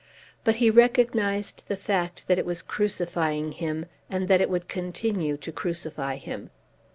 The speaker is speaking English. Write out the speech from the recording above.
But he recognised the fact that it was crucifying him, and that it would continue to crucify him.